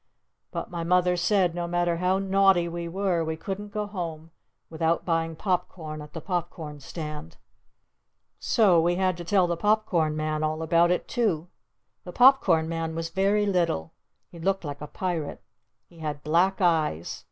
But my Mother said no matter how naughty we were we couldn't go home without buying pop corn at the pop corn stand! So we had to tell the Pop Corn Man all about it too! The Pop Corn Man was very little. He looked like a Pirate. He had black eyes.